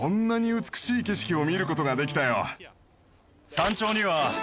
山頂には。